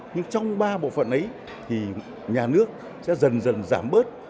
nhưng trong ba bộ phận ấy thì nhà nước sẽ dần dần giảm bớt